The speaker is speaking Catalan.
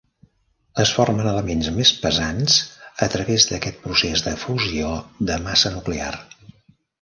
Es formen elements més pesants a través d'aquest procés de fusió de massa nuclear.